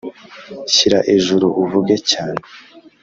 Shyira ejuru uvuge cyane